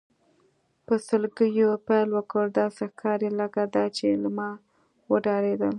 په سلګیو یې پیل وکړ، داسې ښکاري لکه دا چې له ما وډارېدل.